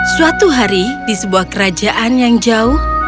suatu hari di sebuah kerajaan yang jauh